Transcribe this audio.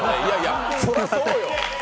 そりゃそうよ。